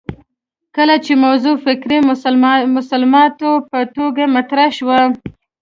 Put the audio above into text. کله چې موضوع فکري مسلماتو په توګه مطرح شوه